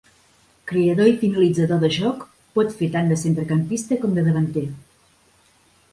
Creador i finalitzador de joc, pot fer tant de centrecampista com de davanter.